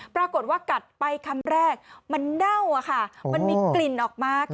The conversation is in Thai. ปรากฏว่ากัดไปคำแรกมันเน่าค่ะมันมีกลิ่นออกมา